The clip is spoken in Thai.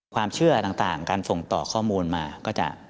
ความเชื่อต่างการส่งต่อข้อมูลมาก็จะ